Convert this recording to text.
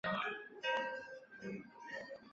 小臭鼩为鼩鼱科臭鼩属的动物。